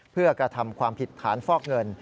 เพื่อกระทำความผิดฐานฟอกเงิน